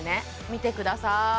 見てください